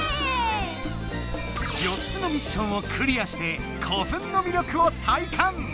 ４つのミッションをクリアーして古墳の魅力を体感！